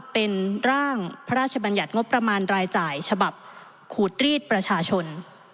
เป็นร่างพระราชบัญญัติงบประมาณรายจ่ายฉบับขูดรีดประชาชน